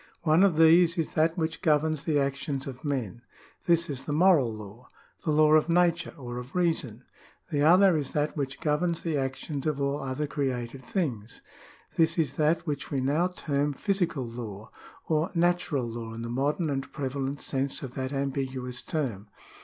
One of these is that which governs the actions of men : this is the moral law, the law of nature, or of reason. The other is that which governs the actions of all other created things : this is that which we now term physical law, or natural law in the modern and prevalent sense of that ambiguous term.